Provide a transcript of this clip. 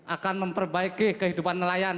akan memperbaiki kehidupan nelayan